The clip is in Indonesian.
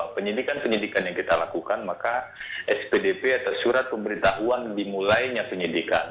penyidikan penyidikan yang kita lakukan maka spdp atau surat pemberitahuan dimulainya penyidikan